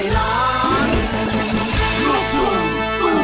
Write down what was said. ร้อง